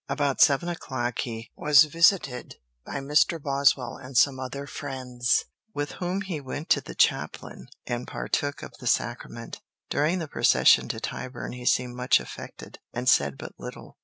About seven o'clock he was visited by Mr. Boswell and some other friends, with whom he went to the chaplain and partook of the sacrament. During the procession to Tyburn he seemed much affected, and said but little.